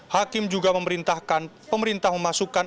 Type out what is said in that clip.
hakim juga memerintahkan pemerintah memasukkan